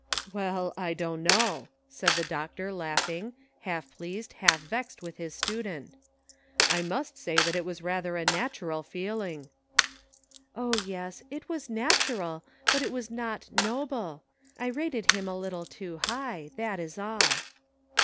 "Well, I don't know," said the doctor, laughing, half pleased, half vexed with his student, " I must say it was rather a natural feeling." " O, yes, it was natural, but it was not noble. I rated him a little too high ; that is all."